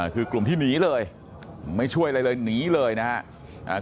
คือกลุ่มที่หนีเลยไม่ช่วยอะไรเลยหนีเลยนะครับ